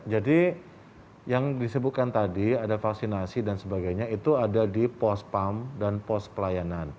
jadi yang disebutkan tadi ada vaksinasi dan sebagainya itu ada di pos pump dan pos pelayanan